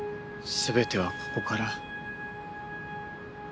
全てはここから。